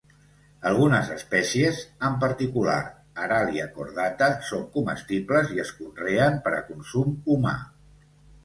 Algunes espècies, en particular "Aralia cordata", són comestibles i es conreen per a consum humà.